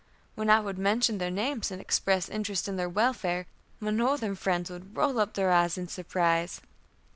When I would mention their names and express interest in their welfare, my Northern friends would roll up their eyes in surprise.